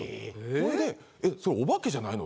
それでそれおばけじゃないの？